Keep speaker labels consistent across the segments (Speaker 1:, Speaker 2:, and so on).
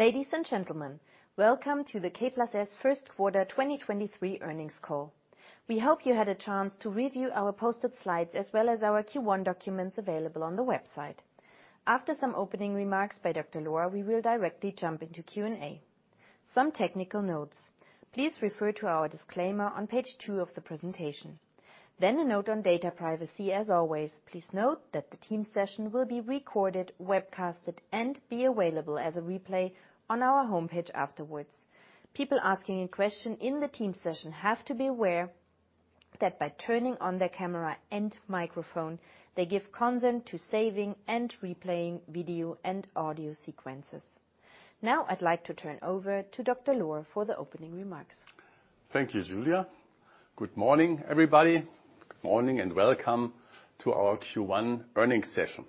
Speaker 1: Ladies and gentlemen, welcome to the K+S Q1 2023 earnings call. We hope you had a chance to review our posted slides, as well as our Q1 documents available on the website. After some opening remarks by Dr. Lohr, we will directly jump into Q&A. Some technical notes. Please refer to our disclaimer on page two of the presentation. A note on data privacy as always. Please note that the team session will be recorded, webcasted, and be available as a replay on our homepage afterwards. People asking a question in the team session have to be aware that by turning on their camera and microphone, they give consent to saving and replaying video and audio sequences. Now I'd like to turn over to Dr. Lohr for the opening remarks.
Speaker 2: Thank you, Julia. Good morning, everybody. Good morning and welcome to our Q1 earnings session.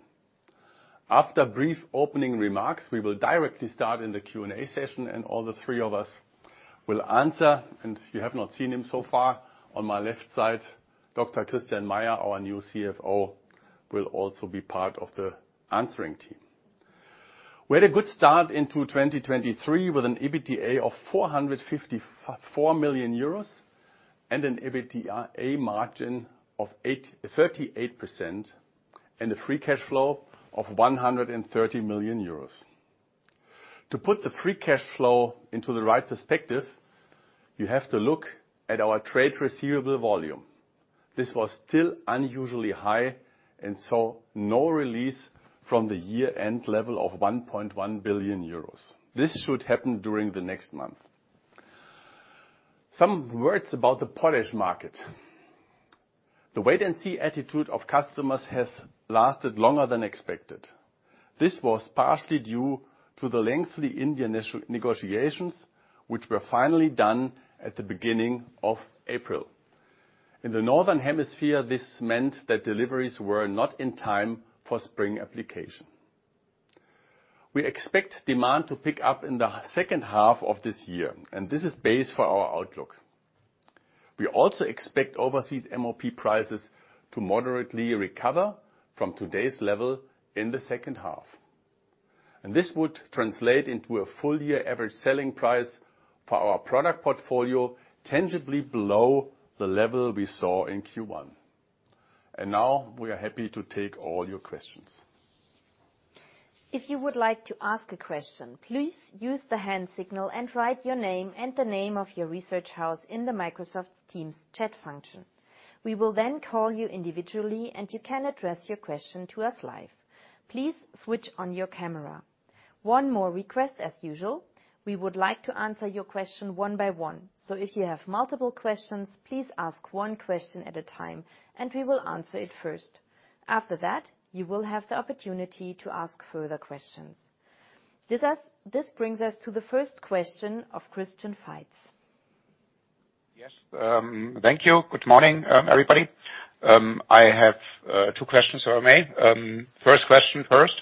Speaker 2: After brief opening remarks, we will directly start in the Q&A session, and all the three of us will answer. If you have not seen him so far, on my left side, Dr. Christian Meyer, our new CFO, will also be part of the answering team. We had a good start into 2023, with an EBITDA of 454 million euros and an EBITDA margin of 38%, and a free cash flow of 130 million euros. To put the free cash flow into the right perspective, you have to look at our trade receivable volume. This was still unusually high, no release from the year-end level of 1.1 billion euros. This should happen during the next month. Some words about the potash market. The wait-and-see attitude of customers has lasted longer than expected. This was partially due to the lengthy Indian negotiations, which were finally done at the beginning of April. In the Northern Hemisphere, this meant that deliveries were not in time for spring application. We expect demand to pick up in the H2 of this year, and this is base for our outlook. We also expect overseas MOP prices to moderately recover from today's level in the H2. This would translate into a full year average selling price for our product portfolio tangibly below the level we saw in Q1. Now we are happy to take all your questions.
Speaker 1: If you would like to ask a question, please use the hand signal and write your name and the name of your research house in the Microsoft Teams chat function. We will then call you individually, and you can address your question to us live. Please switch on your camera. One more request as usual. We would like to answer your question one by one, so if you have multiple questions, please ask one question at a time, and we will answer it first. After that, you will have the opportunity to ask further questions. This brings us to the first question of Christian Faitz.
Speaker 3: Thank you. Good morning, everybody. I have two questions, if I may. First question first.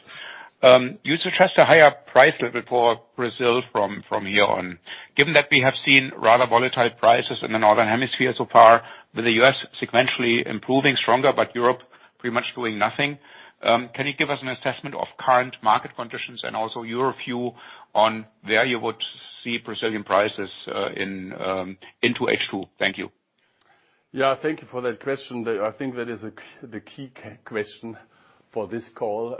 Speaker 3: You suggest a higher price level for Brazil from here on. Given that we have seen rather volatile prices in the Northern Hemisphere so far, with the U.S. sequentially improving stronger, but Europe pretty much doing nothing, can you give us an assessment of current market conditions and also your view on where you would see Brazilian prices in into H2? Thank you.
Speaker 2: Yeah, thank you for that question. I think that is the key question for this call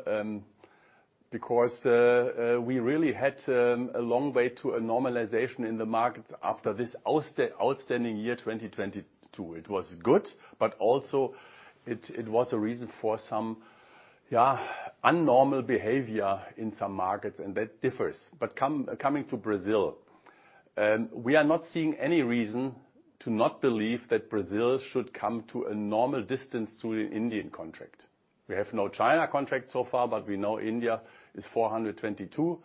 Speaker 2: because we really had a long way to a normalization in the market after this outstanding year 2022. It was good, but also it was a reason for some, yeah, unnormal behavior in some markets. That differs. Coming to Brazil, we are not seeing any reason to not believe that Brazil should come to a normal distance to the Indian contract. We have no China contract so far, but we know India is 422.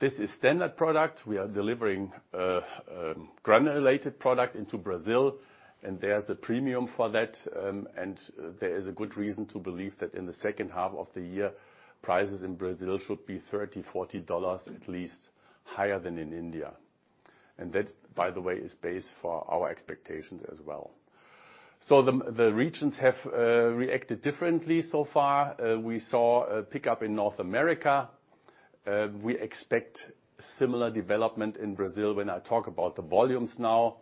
Speaker 2: This is standard product. We are delivering granulated product into Brazil, there's a premium for that, there is a good reason to believe that in the H2 of the year, prices in Brazil should be $30-$40 at least higher than in India. That, by the way, is base for our expectations as well. The regions have reacted differently so far. We saw a pickup in North America. We expect similar development in Brazil, when I talk about the volumes now,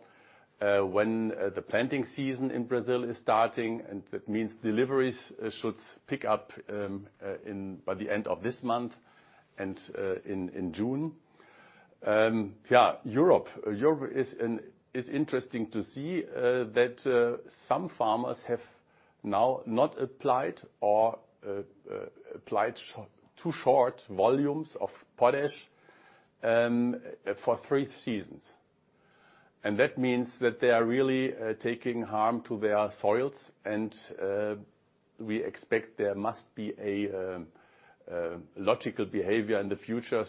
Speaker 2: when the planting season in Brazil is starting, that means deliveries should pick up by the end of this month and in June. Europe. Europe. It's interesting to see that some farmers have now not applied or applied too short volumes of potash for three seasons. That means that they are really taking harm to their soils and we expect there must be a logical behavior in the future.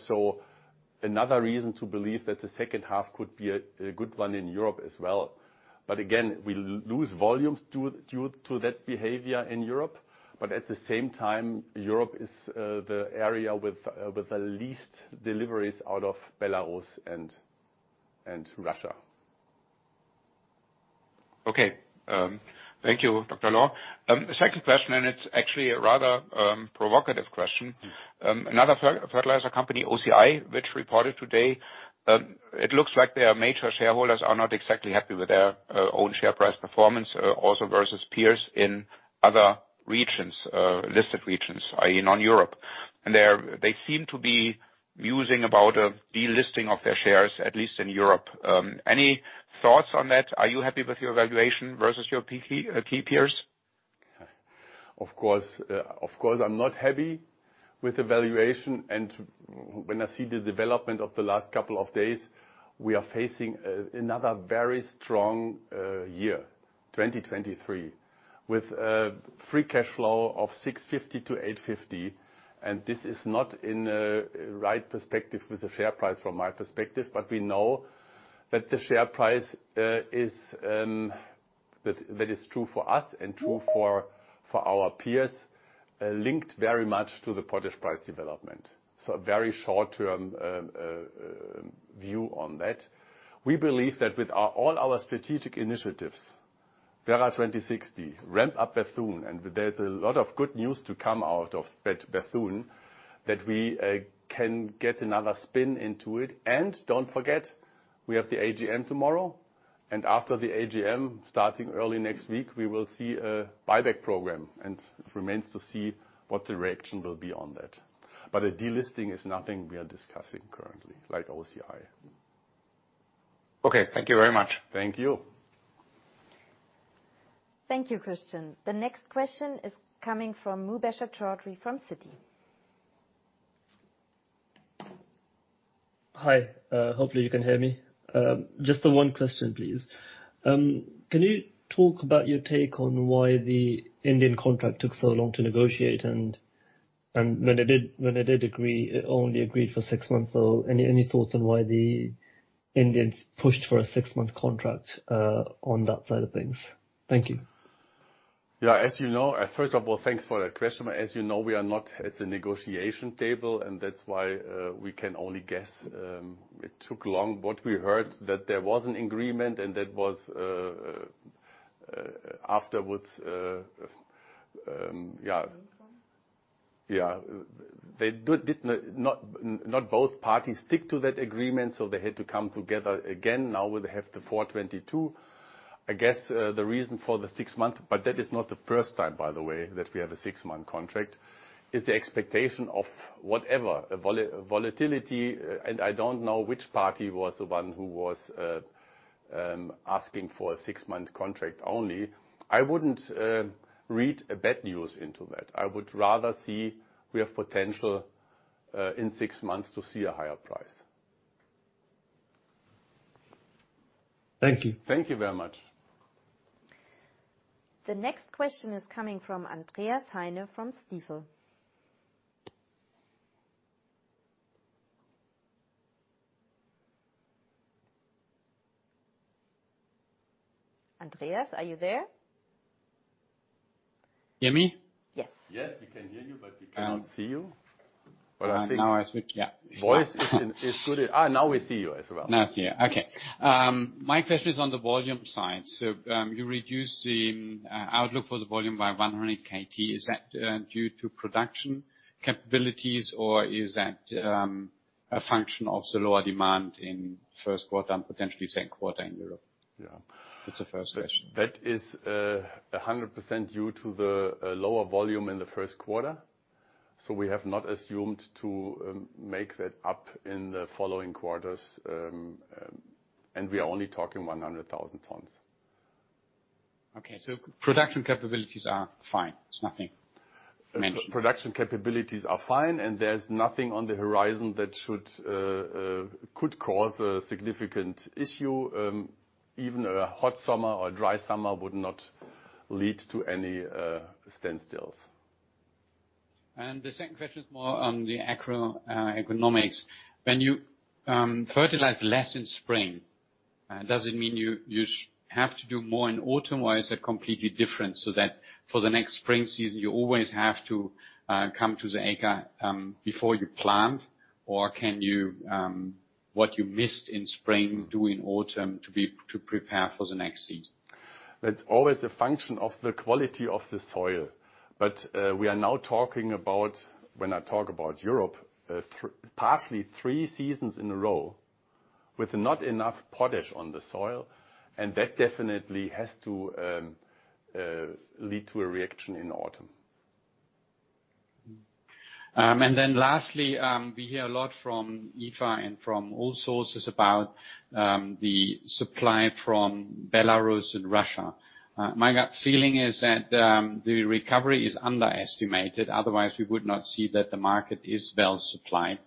Speaker 2: Another reason to believe that the H2 could be a good one in Europe as well. Again, we lose volumes due to that behavior in Europe. At the same time, Europe is the area with the least deliveries out of Belarus and Russia.
Speaker 3: Okay. Thank you, Dr. Lohr. Second question, it's actually a rather provocative question. Another fertilizer company, OCI, which reported today, it looks like their major shareholders are not exactly happy with their own share price performance, also versus peers in other regions, listed regions, i.e. non-Europe. They seem to be musing about a delisting of their shares, at least in Europe. Any thoughts on that? Are you happy with your valuation versus your key peers?
Speaker 2: Of course, I'm not happy with the valuation. When I see the development of the last couple of days, we are facing another very strong year, 2023, with free cash flow of 650-850. This is not in the right perspective with the share price from my perspective, but we know that the share price is that is true for us and true for our peers linked very much to the potash price development. A very short-term view on that. We believe that with all our strategic initiatives, Werra 2060, ramp up Bethune, and there's a lot of good news to come out of Bethune, that we can get another spin into it. Don't forget, we have the AGM tomorrow. After the AGM, starting early next week, we will see a buyback program. It remains to see what the reaction will be on that. A delisting is nothing we are discussing currently, like OCI.
Speaker 3: Okay, thank you very much.
Speaker 2: Thank you.
Speaker 1: Thank you, Christian. The next question is coming from Mubasher Chaudhry from Citi.
Speaker 4: Hi. Hopefully you can hear me. Just the one question, please. Can you talk about your take on why the Indian contract took so long to negotiate? When it did agree, it only agreed for six months. Any thoughts on why the Indians pushed for a six-month contract on that side of things? Thank you.
Speaker 2: Yeah, as you know. First of all, thanks for that question. As you know, we are not at the negotiation table. That's why we can only guess, it took long. What we heard, that there was an agreement and that was afterwards. Not both parties stick to that agreement. They had to come together again. Now they have the 422. I guess, the reason for the six months, that is not the first time, by the way, that we have a six-month contract, is the expectation of whatever volatility. I don't know which party was the one who was asking for a six-month contract only. I wouldn't read bad news into that. I would rather see we have potential in six months to see a higher price.
Speaker 4: Thank you.
Speaker 2: Thank you very much.
Speaker 1: The next question is coming from Andreas Heine from Stifel. Andreas, are you there?
Speaker 5: Can you hear me?
Speaker 1: Yes.
Speaker 2: Yes, we can hear you, but we cannot see you.
Speaker 5: Now I switch, yeah.
Speaker 2: Voice is good. Now we see you as well.
Speaker 5: See you. Okay. My question is on the volume side. You reduced the outlook for the volume by 100 KT. Is that due to production capabilities or is that a function of the lower demand in Q1 and potentially Q2 in Europe?
Speaker 2: Yeah.
Speaker 5: That's the first question.
Speaker 2: That is 100% due to the lower volume in the Q1. We have not assumed to make that up in the following quarters, and we are only talking 100,000 tons.
Speaker 5: Okay. Production capabilities are fine. It's nothing mentioned.
Speaker 2: Production capabilities are fine, and there's nothing on the horizon that could cause a significant issue. Even a hot summer or dry summer would not lead to any standstills.
Speaker 5: The second question is more on the agro-economics. When you fertilize less in spring, does it mean you have to do more in autumn or is that completely different so that for the next spring season you always have to come to the acre before you plant? Can you, what you missed in spring, do in autumn to prepare for the next season?
Speaker 2: That's always a function of the quality of the soil. We are now talking about, when I talk about Europe, partly three seasons in a row with not enough potash on the soil, and that definitely has to lead to a reaction in autumn.
Speaker 5: Lastly, we hear a lot from IFA and from all sources about the supply from Belarus and Russia. My feeling is that the recovery is underestimated, otherwise we would not see that the market is well supplied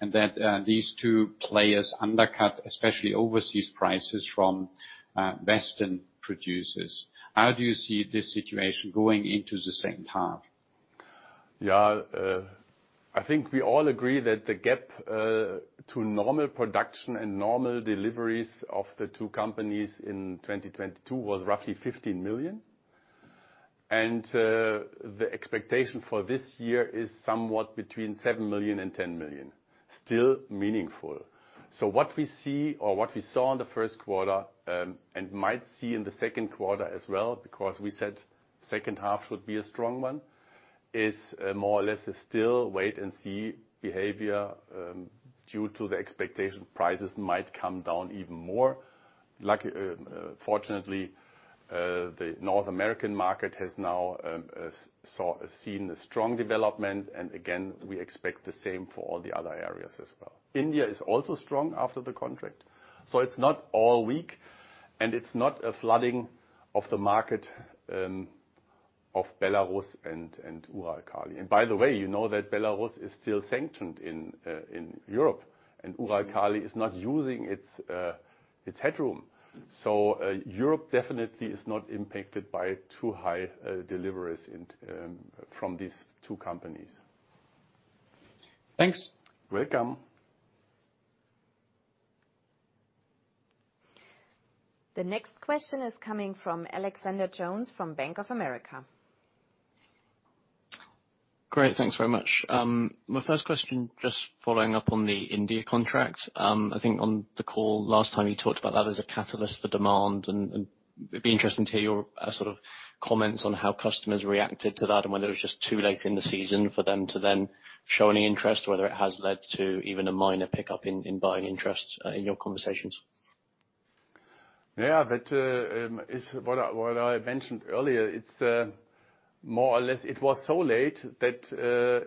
Speaker 5: and that these two players undercut, especially overseas prices from Western producers. How do you see this situation going into the H2?
Speaker 2: Yeah. I think we all agree that the gap to normal production and normal deliveries of the two companies in 2022 was roughly 15 million. The expectation for this year is somewhat between 7 million and 10 million. Still meaningful. What we see or what we saw in the Q1, and might see in the Q2 as well, because we said H2 should be a strong one, is more or less a still wait and see behavior, due to the expectation prices might come down even more. Fortunately, the North American market has now seen a strong development. Again, we expect the same for all the other areas as well. India is also strong after the contract, it's not all weak, and it's not a flooding of the market of Belarus and Uralkali. By the way, you know that Belarus is still sanctioned in Europe, and Uralkali is not using its headroom. Europe definitely is not impacted by too high deliveries from these two companies.
Speaker 5: Thanks.
Speaker 2: Welcome.
Speaker 1: The next question is coming from Alexander Jones from Bank of America.
Speaker 6: Great. Thanks very much. My first question, just following up on the India contract. I think on the call last time you talked about that as a catalyst for demand, and it'd be interesting to hear your sort of comments on how customers reacted to that and whether it was just too late in the season for them to then show any interest, or whether it has led to even a minor pickup in buying interest in your conversations.
Speaker 2: Yeah. That is what I mentioned earlier. It's more or less it was so late that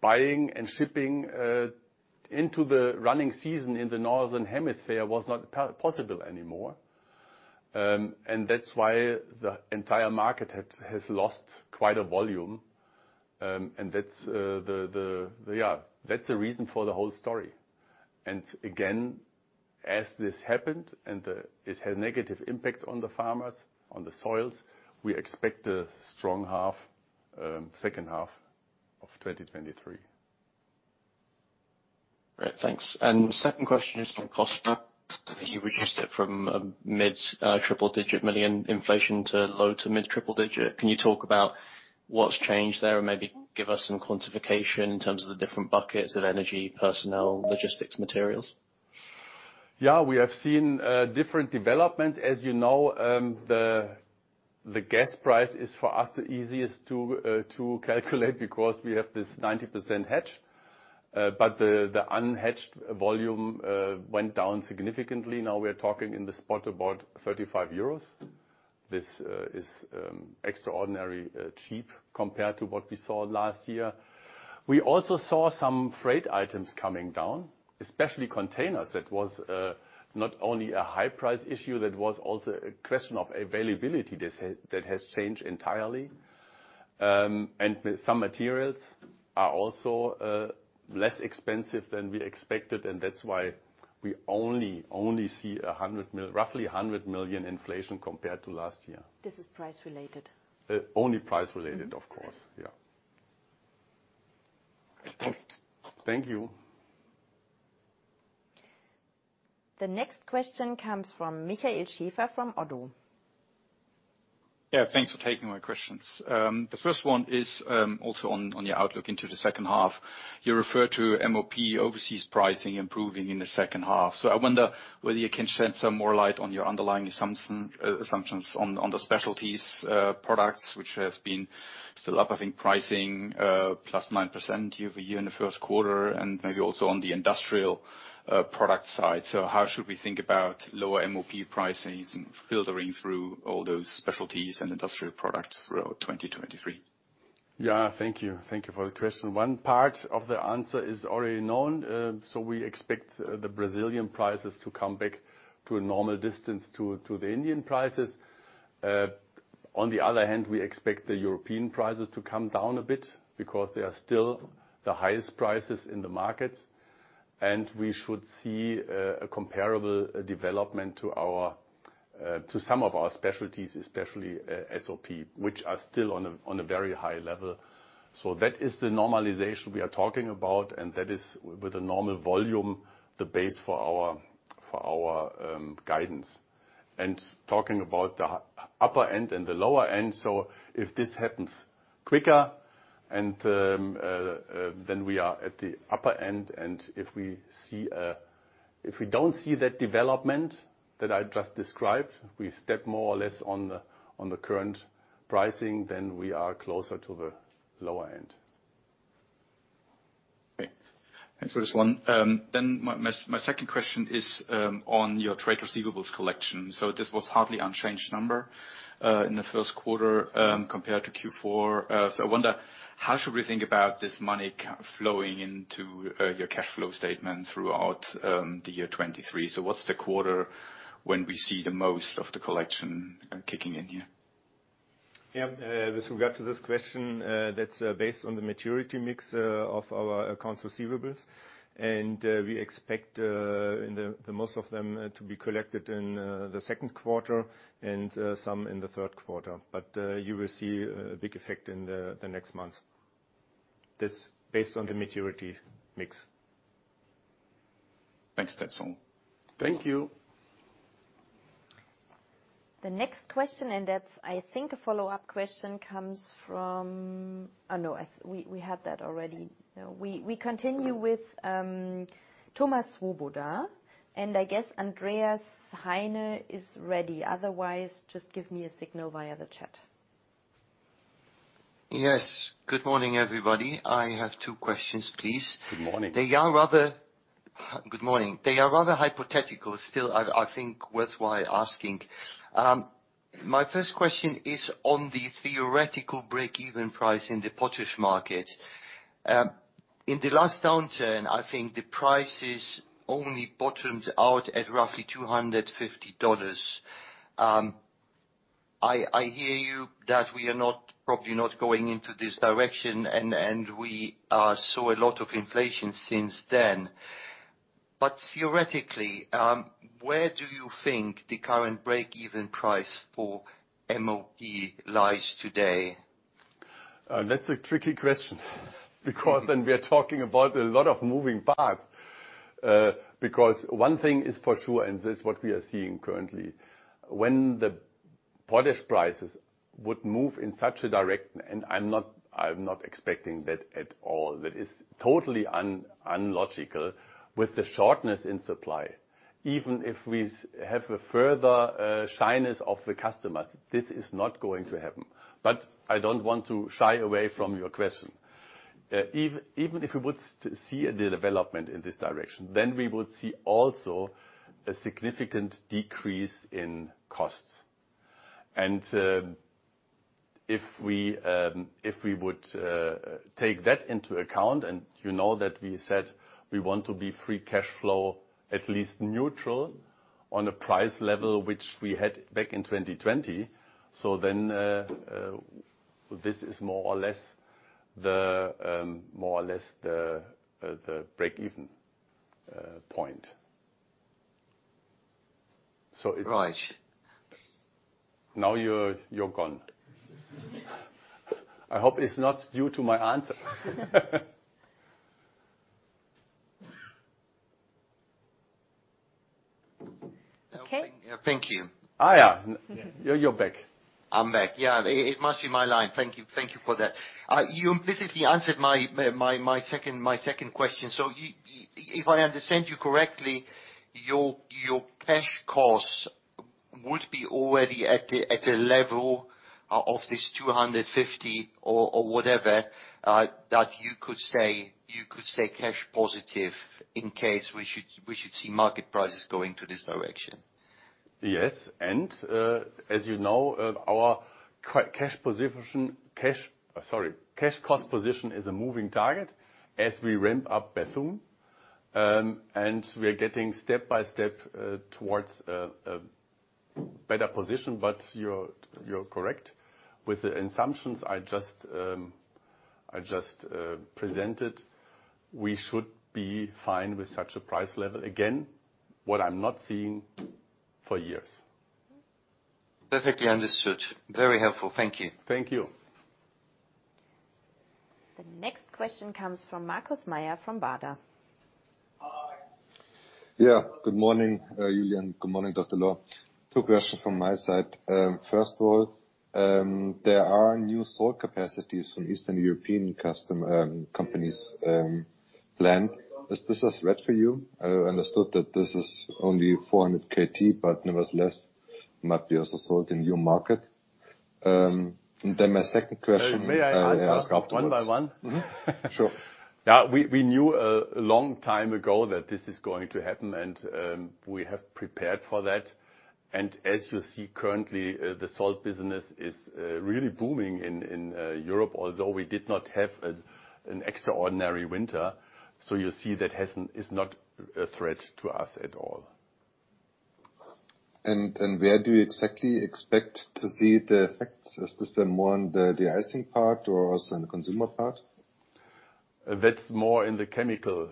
Speaker 2: buying and shipping into the running season in the Northern Hemisphere was not possible anymore. That's why the entire market has lost quite a volume. That's the reason for the whole story. Again, as this happened and it's had negative impact on the farmers, on the soils, we expect a strong half, H2 of 2023.
Speaker 6: Great. Thanks. The second question is on costs. You reduced it from a mid-triple digit million inflation to low- to mid-triple digit. Can you talk about what's changed there and maybe give us some quantification in terms of the different buckets of energy, personnel, logistics, materials?
Speaker 2: Yeah. We have seen different development. As you know, the gas price is for us the easiest to calculate because we have this 90% hedge. The unhedged volume went down significantly. Now we're talking in the spot about 35 euros. This is extraordinary cheap compared to what we saw last year. We also saw some freight items coming down, especially containers. That was not only a high price issue, that was also a question of availability that has changed entirely. Some materials are also less expensive than we expected, and that's why we only see roughly 100 million inflation compared to last year.
Speaker 1: This is price related.
Speaker 2: Only price related, of course. Yeah. Thank you.
Speaker 1: The next question comes from Michael Schaefer from ODDO.
Speaker 7: Yeah, thanks for taking my questions. The first one is also on your outlook into the H2. You refer to MOP overseas pricing improving in the H2. I wonder whether you can shed some more light on your underlying assumptions on the specialties products, which has been still up, I think, pricing +9% year-over-year in the Q1, and maybe also on the industrial product side. How should we think about lower MOP pricings filtering through all those specialties and industrial products throughout 2023?
Speaker 2: Yeah, thank you. Thank you for the question. One part of the answer is already known. We expect the Brazilian prices to come back to a normal distance to the Indian prices. On the other hand, we expect the European prices to come down a bit because they are still the highest prices in the markets. We should see a comparable development to our to some of our specialties, especially SOP, which are still on a very high level. That is the normalization we are talking about, and that is with the normal volume, the base for our guidance. Talking about the upper end and the lower end, if this happens quicker, we are at the upper end. If we don't see that development that I just described, we step more or less on the current pricing, then we are closer to the lower end.
Speaker 7: Okay. Thanks for this one. My second question is on your trade receivables collection. This was hardly unchanged number in the Q1 compared to Q4. I wonder, how should we think about this money flowing into your cash flow statement throughout the year 2023? What's the quarter when we see the most of the collection kicking in here?
Speaker 2: Yeah. With regard to this question, that's based on the maturity mix of our accounts receivables. We expect in the most of them to be collected in the Q2 and some in the Q3. You will see a big effect in the next months. That's based on the maturity mix.
Speaker 7: Thanks. That's all.
Speaker 2: Thank you.
Speaker 1: The next question, and that's I think a follow-up question, comes from... Oh, no, we had that already. No, we continue with Thomas Swoboda. I guess Andreas Heine is ready. Otherwise, just give me a signal via the chat.
Speaker 8: Yes. Good morning, everybody. I have two questions please.
Speaker 2: Good morning.
Speaker 8: They are rather... Good morning. They are rather hypothetical. Still, I think worthwhile asking. My first question is on the theoretical break-even price in the potash market. In the last downturn, I think the prices only bottomed out at roughly $250. I hear you that we are not, probably not going into this direction, and we saw a lot of inflation since then. Theoretically, where do you think the current break-even price for MOP lies today?
Speaker 2: That's a tricky question because then we're talking about a lot of moving parts. One thing is for sure, and this is what we are seeing currently, when the potash prices would move in such a direction, and I'm not expecting that at all, that is totally unlogical with the shortness in supply. Even if we have a further shyness of the customer, this is not going to happen. I don't want to shy away from your question. Even, even if we would see a development in this direction, then we would see also a significant decrease in costs. If we would take that into account, and you know that we said we want to be free cash flow, at least neutral on a price level which we had back in 2020, this is more or less the break-even point.
Speaker 8: Right.
Speaker 2: You're gone. I hope it's not due to my answer.
Speaker 1: Okay.
Speaker 8: No, thank you.
Speaker 2: Yeah. You're back.
Speaker 8: I'm back. Yeah, it must be my line. Thank you for that. You implicitly answered my second question. If I understand you correctly, your cash costs would be already at a level of this 250 or whatever, that you could say cash positive in case we should see market prices going to this direction.
Speaker 2: Yes. As you know, our cash cost position is a moving target as we ramp up Bethune. We are getting step by step towards a better position. You're correct. With the assumptions I just presented, we should be fine with such a price level. Again, what I'm not seeing for years.
Speaker 8: Perfectly understood. Very helpful. Thank you.
Speaker 2: Thank you.
Speaker 1: The next question comes from Markus Mayer from Baader. Hi.
Speaker 9: Yeah. Good morning, Julia. Good morning, Dr. Lohr. Two question from my side. First of all, there are new salt capacities from Eastern European custom, companies, planned. Is this a threat for you? I understood that this is only 400 KT, but nevertheless might be also sold in your market. My second question-
Speaker 2: May I answer one by one?
Speaker 9: I'll ask afterwards. Mm-hmm. Sure.
Speaker 2: We knew a long time ago that this is going to happen. We have prepared for that. As you see currently, the salt business is really booming in Europe, although we did not have an extraordinary winter. You see that is not a threat to us at all.
Speaker 9: Where do you exactly expect to see the effects? Is this then more on the icing part or also in the consumer part?
Speaker 2: That's more in the chemical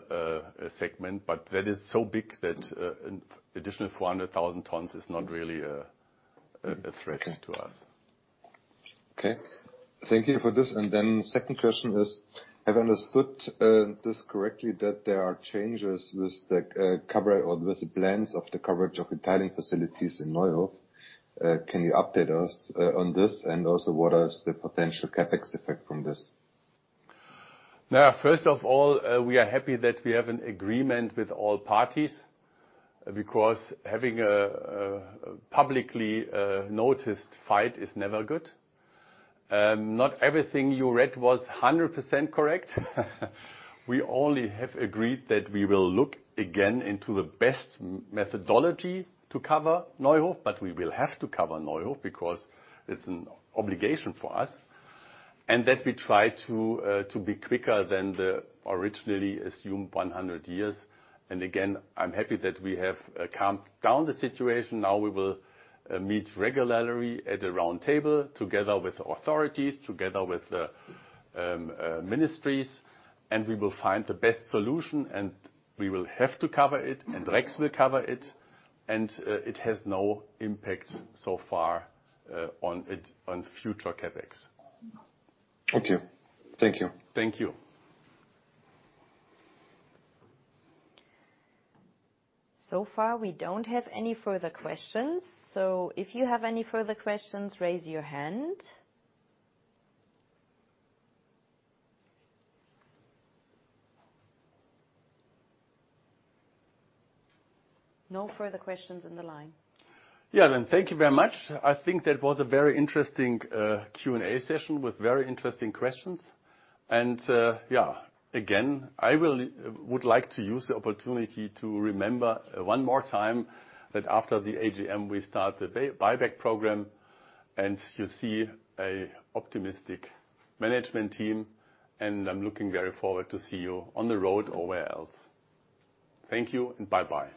Speaker 2: segment, but that is so big that an additional 400,000 tons is not really a threat to us.
Speaker 9: Okay. Thank you for this. Second question is, have I understood this correctly that there are changes with the cover or with the plans of the coverage of retiring facilities in Neuhof? Can you update us on this? Also, what is the potential CapEx effect from this?
Speaker 2: First of all, we are happy that we have an agreement with all parties, because having a publicly noticed fight is never good. Not everything you read was 100% correct. We only have agreed that we will look again into the best methodology to cover Neuhof, but we will have to cover Neuhof because it's an obligation for us. That we try to be quicker than the originally assumed 100 years. Again, I'm happy that we have calmed down the situation. We will meet regularly at a round table together with authorities, together with the ministries, and we will find the best solution, and we will have to cover it, and Rex will cover it, and it has no impact so far on it, on future CapEx.
Speaker 9: Thank you. Thank you.
Speaker 2: Thank you.
Speaker 1: So far, we don't have any further questions, so if you have any further questions, raise your hand. No further questions on the line.
Speaker 2: Yeah. Thank you very much. I think that was a very interesting Q&A session with very interesting questions. Again, I would like to use the opportunity to remember one more time that after the AGM, we start the buyback program and you see a optimistic management team, and I'm looking very forward to see you on the road or where else. Thank you and bye-bye.